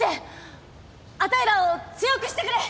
あたいらを強くしてくれ！